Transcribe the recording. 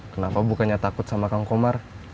kenapa bukannya takut sama kang komar